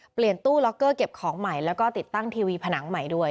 เปลี่ยนตู้ล็อกเกอร์เก็บของใหม่แล้วก็ติดตั้งทีวีผนังใหม่ด้วย